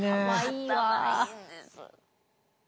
頭いいんです。